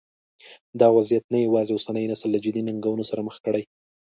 دا وضعیت نه یوازې اوسنی نسل له جدي ننګونو سره مخ کړی.